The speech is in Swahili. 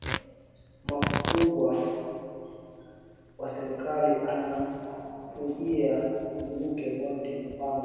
Mukubwa wa serkali ana ujiya banamuke bote ma mpango